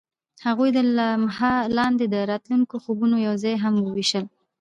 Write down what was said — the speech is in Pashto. هغوی د لمحه لاندې د راتلونکي خوبونه یوځای هم وویشل.